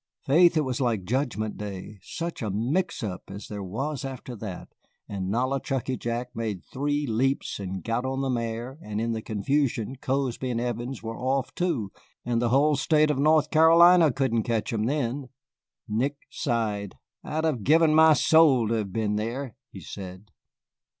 Faith, it was like judgment day, such a mix up as there was after that, and Nollichucky Jack made three leaps and got on the mare, and in the confusion Cozby and Evans were off too, and the whole State of North Carolina couldn't catch 'em then." Nick sighed. "I'd have given my soul to have been there," he said.